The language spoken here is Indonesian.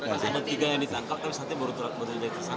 ketiga yang ditangkap tapi saatnya baru terlambat